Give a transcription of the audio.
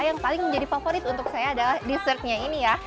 yang paling menjadi favorit untuk saya adalah dessertnya ini ya